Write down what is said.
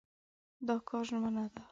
دا کار ژمنه ده.